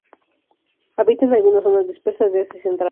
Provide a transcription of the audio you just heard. Habita en algunas zonas dispersas de Asia central.